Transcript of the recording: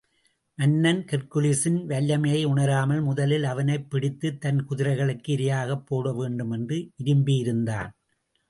மன்னன், ஹெர்க்குலிஸின் வல்லமையை உனராமல், முதலில் அவனைப் பிடித்துத் தன் குதிரைகளுக்கு இரையாகப் போட வேண்டுமென்று விரும்பியிருந்தான்.